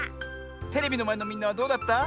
テレビのまえのみんなはどうだった？